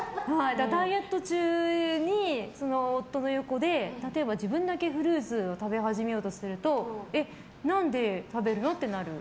ダイエット中に夫の横で例えば、自分だけフルーツを食べ始めようとするとえ、何で食べるの？ってなる。